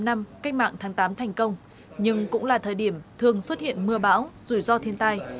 bảy mươi năm cách mạng tháng tám thành công nhưng cũng là thời điểm thường xuất hiện mưa bão rủi ro thiên tai